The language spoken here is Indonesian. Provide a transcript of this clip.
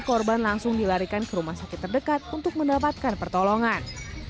korban langsung dilarikan ke rumah sakit terdekat untuk mendapatkan pertolongan